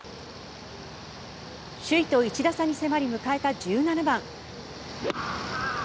首位と１打差に迫り迎えた１７番。